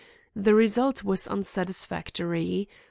The result was unsatisfactory.